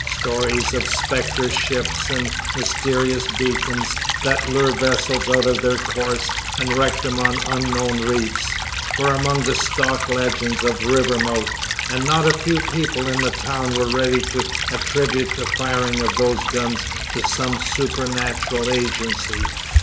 Stories of spectre ships and mysterious beacons, that lure vessels out of their course and wreck them on unknown reefs, were among the stock legends of Rivermouth; and not a few people in the town were ready to attribute the firing of those guns to some supernatural agency.